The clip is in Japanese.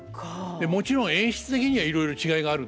もちろん演出的にはいろいろ違いがあるんですよ。